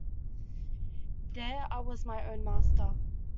There I was my own master.